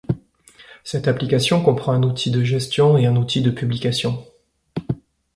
Cette application comprend un outil de gestion et un outil de publication.